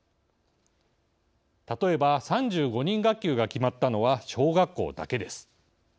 例えば３５人学級が決まったのは小学校だけです。